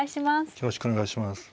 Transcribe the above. よろしくお願いします。